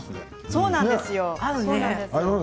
そうなんですよ。